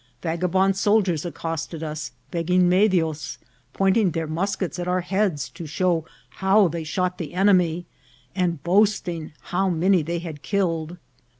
Vaga bond soldiers accosted us, begging medios, pointing their muskets at our heads to show how they shot the enemy, and boasting how many they had killed.